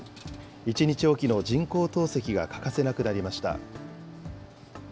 １日置きの人工透析が欠かせなくなりました。